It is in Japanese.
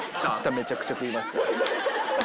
めちゃくちゃ食います。